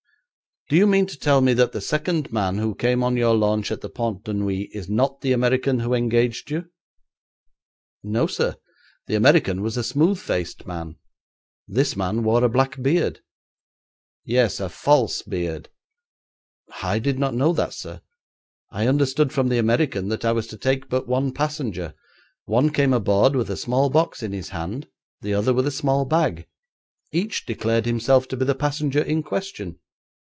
'Do you mean to tell me that the second man who came on your launch at the Pont de Neuilly is not the American who engaged you?' 'No, sir; the American was a smooth faced man; this man wore a black beard.' 'Yes, a false beard.' 'I did not know that, sir. I understood from the American that I was to take but one passenger. One came aboard with a small box in his hand; the other with a small bag. Each declared himself to be the passenger in question.